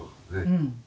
うん。